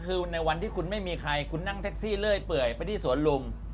คือในวันที่คุณไม่มีใครคุณนั่งแท็กซี่เรื่อยเปื่อยไปที่สวนลุม